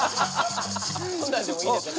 こんなんでもいいんですか？